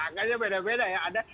angkanya beda beda ya